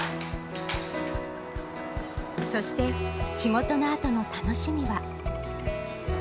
そして仕事のあとの楽しみは。